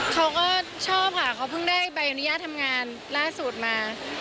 เขาก็ชอบค่ะเขาเพิ่งได้ใบอนุญาตทำงานล่าสุดมา